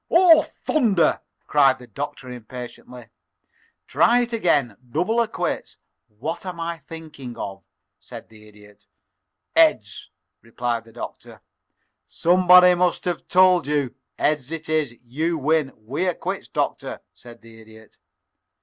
"Oh, thunder!" cried the Doctor, impatiently. "Try it again, double or quits. What am I thinking of?" said the Idiot. "Heads," repeated the Doctor. "Somebody must have told you. Heads it is. You win. We are quits, Doctor," said the Idiot.